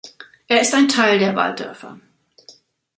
Er ist ein Teil der Walddörfer.